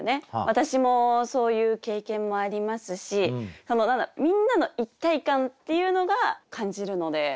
私もそういう経験もありますしみんなの一体感っていうのが感じるので選ばせて頂きました。